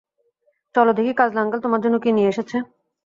চল দেখি কাজলা আঙ্কেল তোমার জন্য কি নিয়ে এসেছে।